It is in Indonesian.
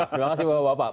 terima kasih bapak bapak